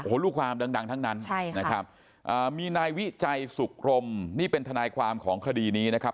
โผล่ความดังทั้งนั้นมีนายวิจัยสุขรมนี่เป็นธนายความของคดีนี้นะครับ